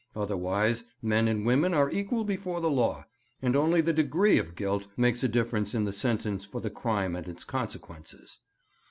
Otherwise men and women are equal before the law, and only the degree of guilt makes a difference in the sentence for the crime and its consequences.